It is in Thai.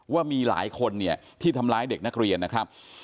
ว่ามีหลายคนเนี่ยที่ทำร้ายเด็กนักเรียนนะครับ